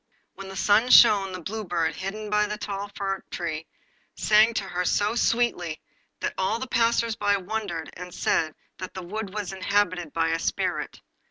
When the sun shone the Blue Bird, hidden in the tall fir tree, sang to her so sweetly that all the passersby wondered, and said that the wood was inhabited by a spirit.